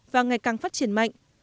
và ngày càng phát triển mạnh